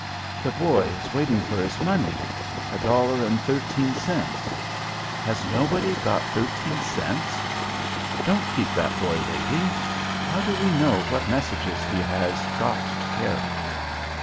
The boy is waiting for his money. A dollar and thirteen cents. Has nobody got thirteen cents? Don't keep that boy waiting, how do we know what messages he has got to carry?